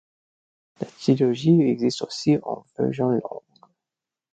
La trilogie existe aussi en version longue.